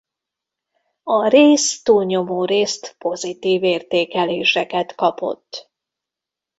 A rész túlnyomórészt pozitív értékeléseket kapott.